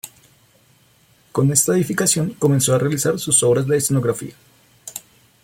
Con esta edificación comenzó a realizar sus obras de escenografía.